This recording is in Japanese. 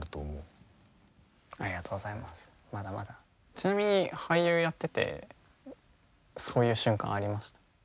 ちなみに俳優やっててそういう瞬間ありました？